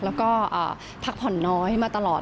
แล้วก็พักผ่อนน้อยมาตลอด